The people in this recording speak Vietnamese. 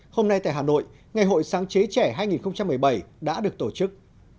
hôm nay tại hà nội ngày hội sáng chế trẻ hai nghìn một mươi bảy đã được tổ chức